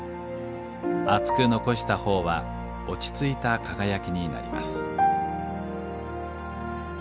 厚く残した方は落ち着いた輝きになります。